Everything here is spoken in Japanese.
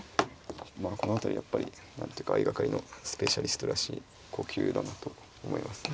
まあこの辺りやっぱり何ていうか相掛かりのスペシャリストらしい呼吸だなと思います。